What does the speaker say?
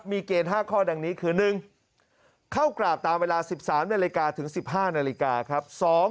มีเกณฑ์๕ข้อดังนี้คือ๑เข้ากราบตามเวลา๑๓นาฬิกาถึง๑๕นาฬิกาครับ